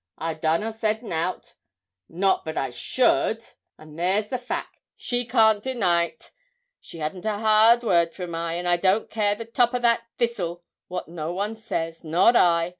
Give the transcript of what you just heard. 'I done or said nout not but I should, and there's the fack she can't deny't; she hadn't a hard word from I; and I don't care the top o' that thistle what no one says not I.